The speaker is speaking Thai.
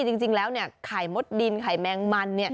จริงแล้วไข่มดดินไข่แมงมัน